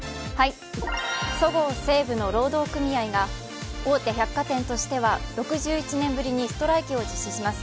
そごう・西武の労働組合が大手百貨店としては６１年ぶりにストライキを実施します。